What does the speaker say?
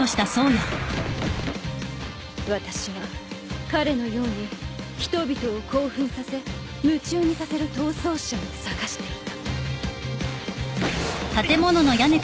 私は彼のように人々を興奮させ夢中にさせる逃走者を探していた。